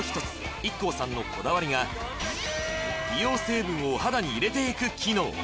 ＩＫＫＯさんのこだわりが美容成分をお肌に入れていく機能